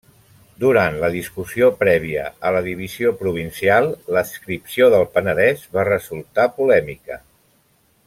Durant la discussió prèvia a la divisió provincial, l'adscripció del Penedès va resultar polèmica.